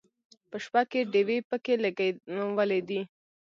په شپه کې ډیوې پکې لګولې دي.